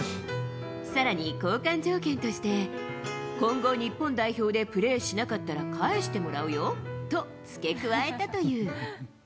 さらに交換条件として、今後、日本代表でプレーしなかったら返してもらうよと付け加えたという。